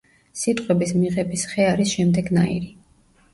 სიტყვების მიღების ხე არის შემდეგნაირი.